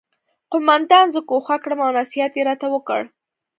قومندان زه ګوښه کړم او نصیحت یې راته وکړ